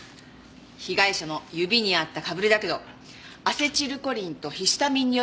被害者の指にあったかぶれだけどアセチルコリンとヒスタミンによるものだった。